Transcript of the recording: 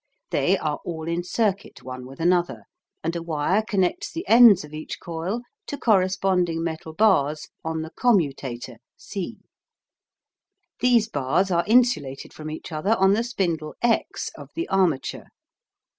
They are all in circuit one with another, and a wire connects the ends of each coil to corresponding metal bars on the commutator C. These bars are insulated from each other on the spindle X of the armature.